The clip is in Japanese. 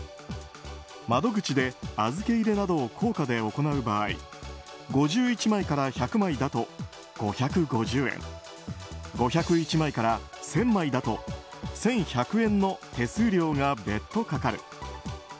窓口で預け入れなどを硬貨で行う場合５１枚から１００枚だと５５０円５０１枚から１０００枚だと１１００円の手数料が別途かかる。